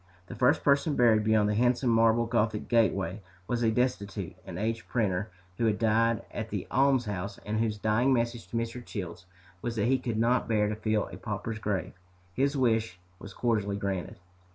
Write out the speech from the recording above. The first person buried beyond the handsome marble gothic gateway was a destitute and aged printer who had died at the almshouse and whose dying message to Mr. Childs was that he could not bear to fill a pauper's grave. His wish was cordially granted.